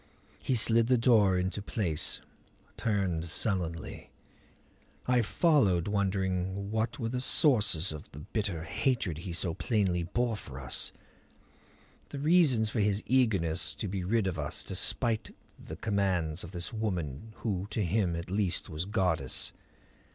He slid the door into place, turned sullenly. I followed, wondering what were the sources of the bitter hatred he so plainly bore for us; the reasons for his eagerness to be rid of us despite the commands of this woman who to him at least was goddess.